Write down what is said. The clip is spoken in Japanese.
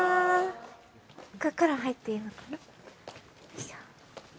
ここから入っていいのかな？